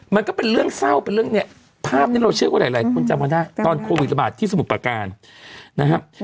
มันก็เป็นเรื่องเศร้าเป็นเรื่องเนี่ยภาพนี้เราเชื่อว่าหลายคนจำกันได้ตอนโควิดระบาดที่สมุทรประการนะครับ